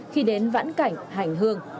khi đến vãn cảnh hành hương